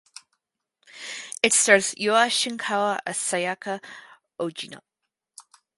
It stars Yua Shinkawa as Sayaka Ogino.